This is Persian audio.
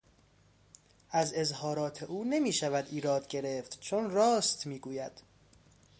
از اظهارات او نمیشود ایراد گرفت چون راست میگوید.